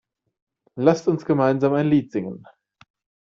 Lasst uns gemeinsam ein Lied singen!